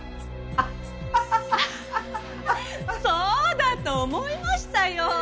あっそうだと思いましたよ。